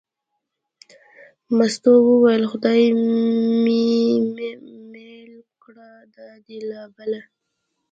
مستو وویل: خدای مې مېل کړه دا دې لا بله.